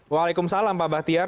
waalaikumsalam pak bahtiar